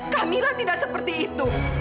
kamila tidak seperti itu